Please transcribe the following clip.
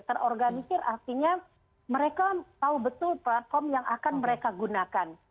terorganisir artinya mereka tahu betul platform yang akan mereka gunakan